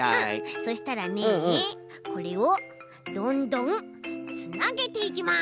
そしたらねこれをどんどんつなげていきます！